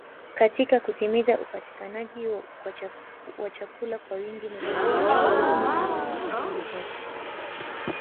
Katika kutimiza upatikanaji wa chakula kwa wingi ni lazima misitu ilindwe kwa nguvu zote